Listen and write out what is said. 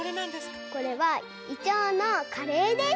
これはいちょうのカレーです。